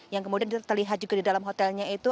yang kemudian terlihat juga di dalam hotelnya itu